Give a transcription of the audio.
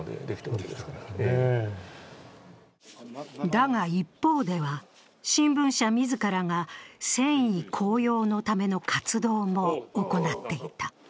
だが、一方では新聞社自らが戦意高揚のための活動も行っていた。